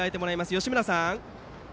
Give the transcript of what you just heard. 義村さん。